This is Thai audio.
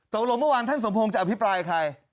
เมื่อวานท่านสมพงษ์จะอภิปรายใคร